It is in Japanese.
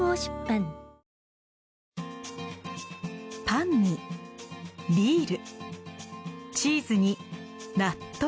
パンにビールチーズに納豆。